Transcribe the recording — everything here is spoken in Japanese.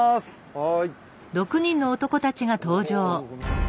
・はい。